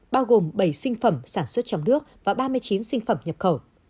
bao gồm bảy sinh phẩm sản xuất trong nước và ba mươi chín sinh phẩm nhập khẩu